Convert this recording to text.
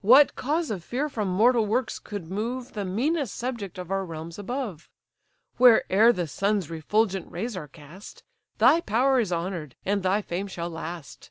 What cause of fear from mortal works could move The meanest subject of our realms above? Where'er the sun's refulgent rays are cast, Thy power is honour'd, and thy fame shall last.